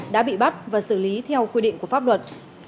đã bị bắt và xử lý theo quy định của pháp luật